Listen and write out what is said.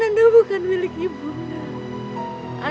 anda bukan milik ibu unda